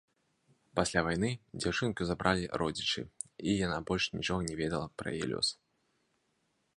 Пасля вайны дзяўчынку забралі родзічы, і яна больш нічога не ведала пра яе лёс.